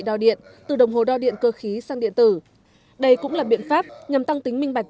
đo điện từ đồng hồ đo điện cơ khí sang điện tử đây cũng là biện pháp nhằm tăng tính minh bạch